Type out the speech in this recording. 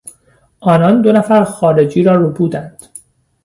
آنان دو نفر خارجی را ربودند.